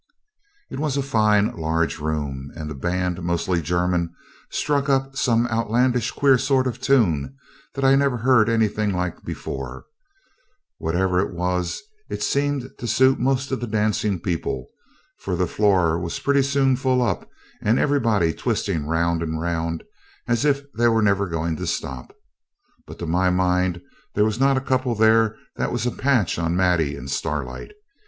It was a fine, large room, and the band, mostly Germans, struck up some outlandish queer sort of tune that I'd never heard anything like before; whatever it was it seemed to suit most of the dancing people, for the floor was pretty soon full up, and everybody twisting round and round as if they were never going to stop. But, to my mind, there was not a couple there that was a patch on Maddie and Starlight.